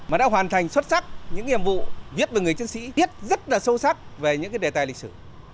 mà đã hoàn thành xuất sắc những nhiệm vụ viết về người chiến sĩ viết rất là sâu sắc về những đề tài lịch sử